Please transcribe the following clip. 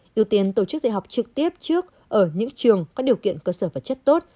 ưu tiên tổ chức dạy học trực tiếp trước ở những trường có điều kiện cơ sở vật chất tốt